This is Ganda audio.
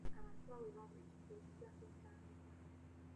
Abantu baawebwa buli kintu okuggyako entandikwa.